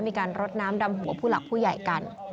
มีการรดน้ำดำหัวผู้หลักผู้ใหญ่กัน